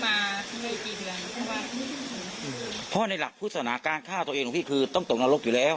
เพราะว่าในหลักพฤษณาการฆ่าตัวเองของพี่คือต้องตกนรกอยู่แล้ว